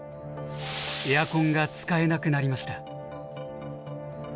エアコンが使えなくなりました。